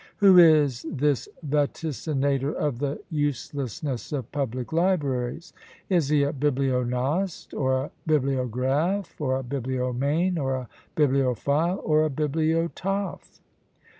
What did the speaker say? Who is this vaticinator of the uselessness of public libraries? Is he a bibliognoste, or a bibliographe, or a bibliomane, or a bibliophile, or a bibliotaphe?